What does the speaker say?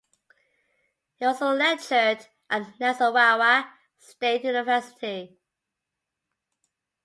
He also lectured at the Nasarawa State University.